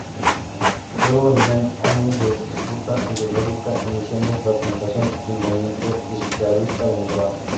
Luego vendrían años de disputa ideológica iniciando una fragmentación del movimiento izquierdista venezolano.